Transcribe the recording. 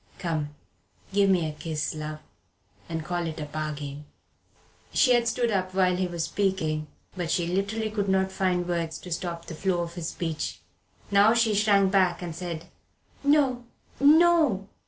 Come, give me a kiss, love, and call it a bargain." She had stood up while he was speaking, but she literally could not find words to stop the flow of his speech. Now she shrank back and said, "No no!"